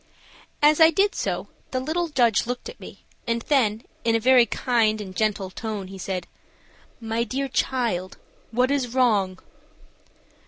As I did so the little judge looked at me, and then, in a very kind and gentle tone, he said: "My dear child, what is wrong?"